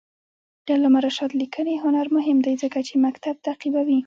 د علامه رشاد لیکنی هنر مهم دی ځکه چې مکتب تعقیبوي.